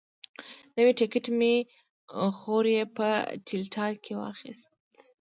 نوی ټکټ مې خوریي په ډیلټا کې واخیست.